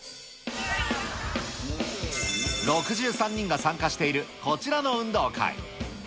６３人が参加しているこちらの運動会。